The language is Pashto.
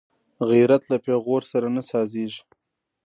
غیرت له پېغور سره نه سازېږي